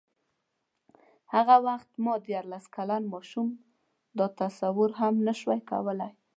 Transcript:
هغه وخت ما دیارلس کلن ماشوم دا تصور هم نه شو کولای.